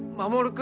君